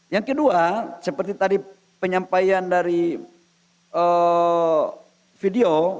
yang kedua seperti tadi penyampaian dari video